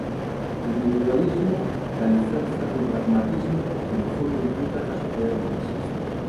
Individualismo que alicerza nun pragmatismo que no fondo implica que a sociedade non existe.